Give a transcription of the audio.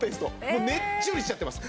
もうねっちょりしちゃってます。